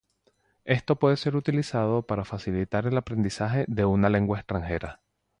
Esto puede ser utilizado para facilitar el aprendizaje de una lengua extranjera.